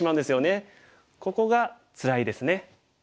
ここがつらいですね。